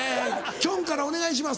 きょんからお願いします。